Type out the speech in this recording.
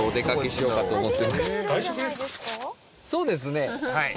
そうですねはい。